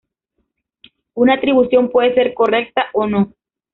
Una atribución puede ser correcta o no.